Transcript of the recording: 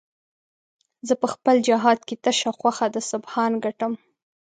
زه په خپل جهاد کې تشه خوښه د سبحان ګټم